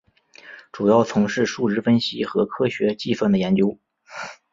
主要从事数值分析和科学计算的研究。